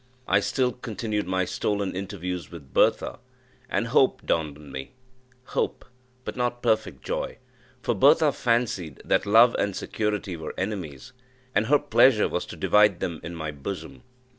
I still continued my stolen interviews with Bertha, and Hope dawned on me Hope but not perfect joy: for Bertha fancied that love and security were enemies, and her pleasure was to divide them in my bosom.